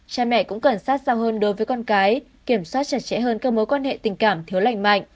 cha mẹ cũng cần sát sao hơn đối với con cái kiểm soát chặt chẽ hơn các mối quan hệ tình cảm thiếu lành mạnh